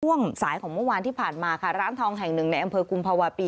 ช่วงสายของเมื่อวานที่ผ่านมาค่ะร้านทองแห่งหนึ่งในอำเภอกุมภาวะปี